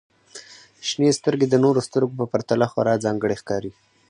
• شنې سترګې د نورو سترګو په پرتله خورا ځانګړې ښکاري.